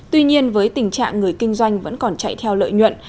tuy nhiên với tình trạng người kinh doanh vẫn còn chạy theo lợi nhuận